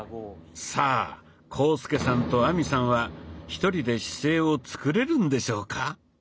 さあ浩介さんと亜美さんは一人で姿勢をつくれるんでしょうか？